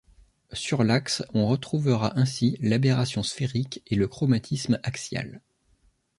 Sur l'axe, on retrouvera ainsi l'aberration sphérique et le chromatisme axial.